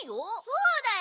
そうだよ。